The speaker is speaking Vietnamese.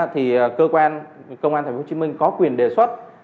thì cơ quan tp hcm có quyền đề xuất